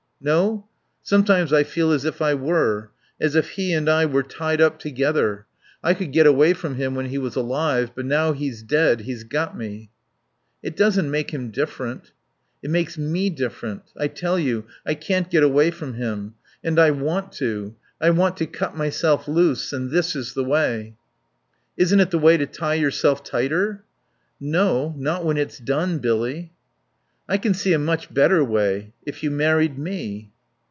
"No? Sometimes I feel as if I were. As if he and I were tied up together. I could get away from him when he was alive. But now he's dead he's got me." "It doesn't make him different." "It makes me different. I tell you, I can't get away from him. And I want to. I want to cut myself loose; and this is the way." "Isn't it the way to tie yourself tighter?" "No. Not when it's done, Billy." "I can see a much better way.... If you married me."